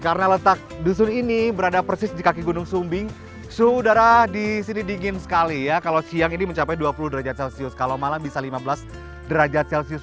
karena letak dusun ini berada persis di kaki gunung sumbing suhu udara di sini dingin sekali ya kalau siang ini mencapai dua puluh derajat celcius kalau malam bisa lima belas derajat celcius